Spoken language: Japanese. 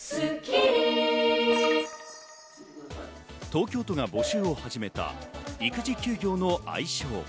東京都が募集を始めた育児休業の愛称。